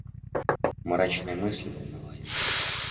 Мрачные мысли волновали меня.